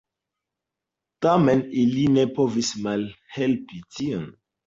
Tamen ili ne povis malhelpi tion.